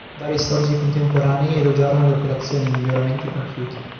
Vari storici contemporanei elogiarono le operazioni e i miglioramenti compiuti.